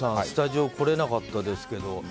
スタジオ来れなかったですけど。